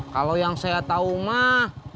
kalau yang saya tahu mah